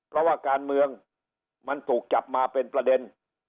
เพราะว่าการเมืองมันถูกจับมาเป็นประเด็น